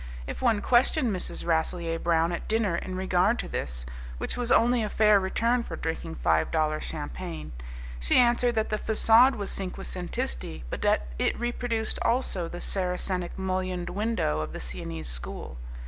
If one questioned Mrs. Rasselyer Brown at dinner in regard to this (which was only a fair return for drinking five dollar champagne), she answered that the facade was cinquecentisti, but that it reproduced also the Saracenic mullioned window of the Siennese School.